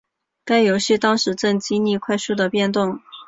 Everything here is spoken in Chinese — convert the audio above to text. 该游戏当时正经历快速的变动。